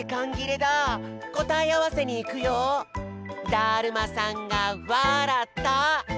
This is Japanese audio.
だるまさんがわらった！